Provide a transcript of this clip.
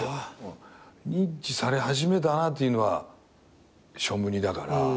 認知され始めたなっていうのは『ショムニ』だから。